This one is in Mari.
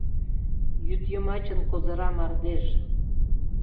Йӱдйымачын козыра мардеж.